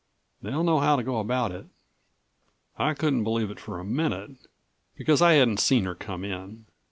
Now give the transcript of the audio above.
They'll know how to go about it." I couldn't believe it for a minute, because I hadn't seen her come in.